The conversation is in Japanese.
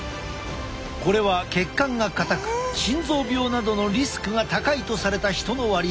これは血管が硬く心臓病などのリスクが高いとされた人の割合だ。